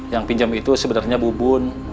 yang pinjam itu sebenarnya bubun